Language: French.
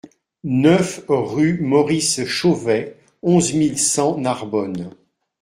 neuf rue Maurice Chauvet, onze mille cent Narbonne